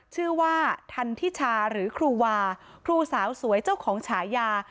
ชื่อว่าทันทิชาหรือครูวาครูสาวสวยเจ้าของฉายา